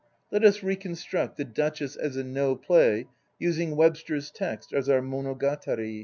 Let us reconstruct the hess" as a No play, using Webster's text as our "Monogatari."